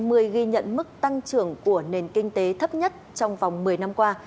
ghi nhận mức tăng trưởng của nền kinh tế thấp nhất trong vòng một mươi năm qua